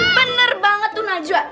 bener banget tuh najwa